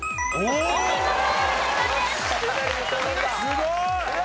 すごい！